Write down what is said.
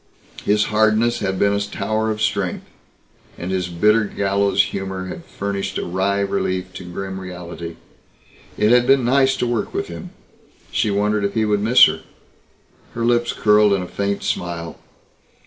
His hardness had been a tower of strength. And his bitter gallows humor had furnished a wry relief to grim reality. It had been nice to work with him. She wondered if he would miss her. Her lips curled in a faint smile.